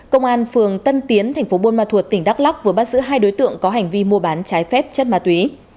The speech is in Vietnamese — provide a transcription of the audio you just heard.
công an phường tân tiến thành phố buôn ma thuột tỉnh đắk lắc vừa bắt giữ hai đối tượng có hành vi mua bán trái phép chất ma túy